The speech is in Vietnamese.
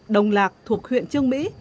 đồng lạc thuộc huyện trương mỹ